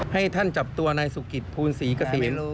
ให้ท่านจับตัวในศุกษิภูมิศรีกระเซน